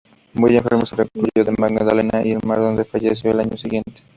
Muy enfermo, se recluyó en Magdalena del Mar, donde falleció al año siguiente.